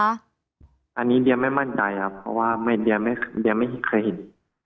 อันนี้เดียไม่มั่นใจครับเพราะว่าเดียไม่เคยเห็น